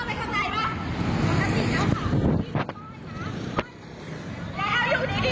อย่าเอาอยู่ดีถ้ามันก็เอาหวานเด็กแล้ว